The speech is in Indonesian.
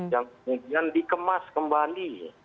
yang kemudian dikemas kembali